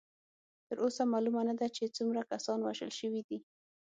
تر اوسه معلومه نه ده چې څومره کسان وژل شوي دي.